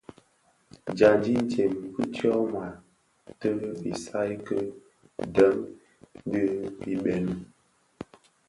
Dyandi itsem bi tyoma ti isaï ki dèň dhi ibëňi.